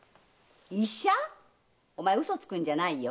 おまえ嘘つくんじゃないよ。